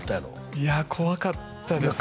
いや怖かったです